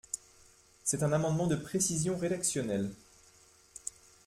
C’est un amendement de précision rédactionnelle.